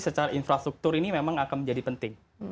secara infrastruktur ini memang akan menjadi penting